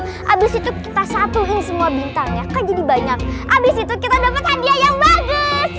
habis itu kita satuin semua bintangnya kok jadi banyak habis itu kita dapat hadiah yang bagus